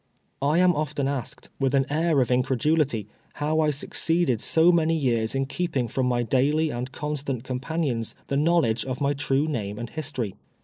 I am often asked, with an air of incredulity, how I succeeded so numy years in kcei)ing from my daily and constant companions the knowledge of my true name and history.